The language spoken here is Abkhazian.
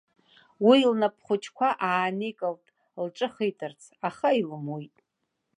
Уи лнап хәыҷқәа ааникылт, лҿы хитырц, аха илымуит.